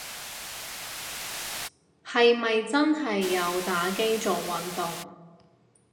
係咪真係有打機做運動